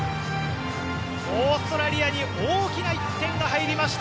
オーストラリアに大きな１点が入りました。